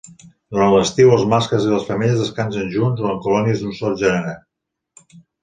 Durant l'estiu, els mascles i les femelles descansen junts o en colònies d'un sol genere.